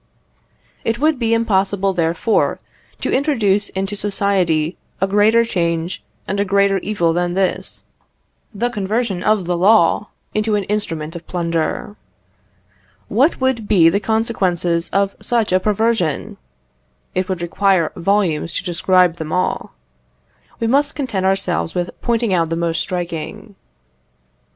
It would be impossible, therefore, to introduce into society a greater change and a greater evil than this the conversion of the law into an instrument of plunder. What would be the consequences of such a perversion? It would require volumes to describe them all. We must content ourselves with pointing out the most striking.